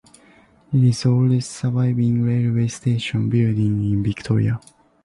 It is the oldest surviving railway station building in Victoria.